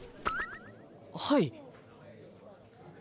はい。